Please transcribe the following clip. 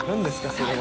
それは。